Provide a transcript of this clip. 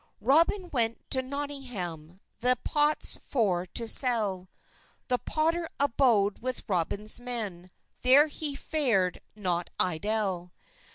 Robyn went to Notynggam, Thes pottes for to sell; The potter abode with Robens men, Ther he fered not eylle.